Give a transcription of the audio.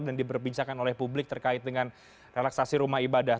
dan diberbincangkan oleh publik terkait dengan relaksasi rumah ibadah